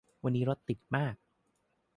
วันนี้รถติดมาก